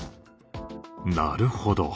なるほど。